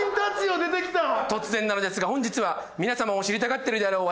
突然なのですが本日は皆様も知りたがっているだろう